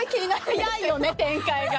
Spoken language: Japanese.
早いよね展開が。